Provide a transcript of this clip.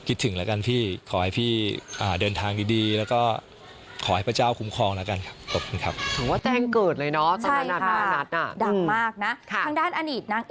คิดถึงแล้วกันพี่ขอให้พี่เดินทางดีแล้วก็ขอให้พระเจ้าคุ้มครองแล้วกันครับขอบคุณครับ